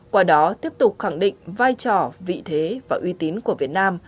qua đó tiếp tục khẳng định vai trò vị thế và uy tín của việt nam